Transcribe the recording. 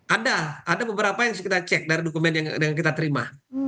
ada ada beberapa yang kita cek dari dokumen yang kita terima